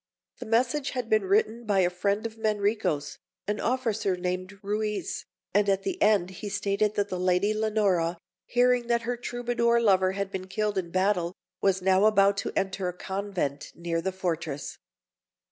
The message had been written by a friend of Manrico's, an officer named Ruiz, and at the end he stated that the Lady Leonora, hearing that her Troubadour lover had been killed in battle, was now about to enter a convent near the fortress.